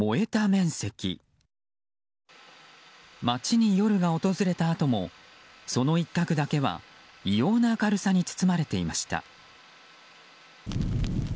街に夜が訪れたあともその一角だけは異様な明るさに包まれていました。